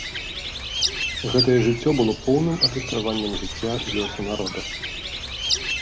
Гэтае жыццё было поўным адлюстраваннем жыцця і лёсу народа.